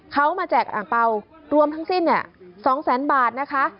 เขามาแจกอ่างเปล่ารวมทั้งสิ้น๒แสนบาทนะคะ